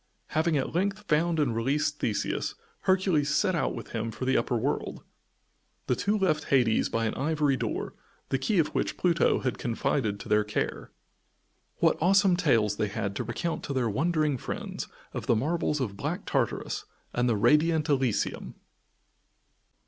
Having at length found and released Theseus, Hercules set out with him for the upper world. The two left Hades by an ivory door, the key of which Pluto had confided to their care. What awesome tales they had to recount to their wondering friends of the marvels of Black Tartarus and of Radiant Elysium!